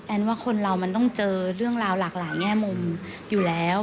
ว่าคนเรามันต้องเจอเรื่องราวหลากหลายแง่มุมอยู่แล้ว